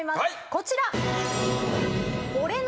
こちら。